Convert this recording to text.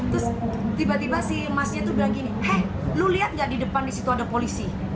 terus tiba tiba si masnya tuh bilang gini he lu liat gak di depan disitu ada polisi